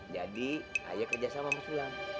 jadi haye kerjasama sama sulam